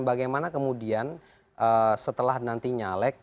bagaimana kemudian setelah nanti nyalek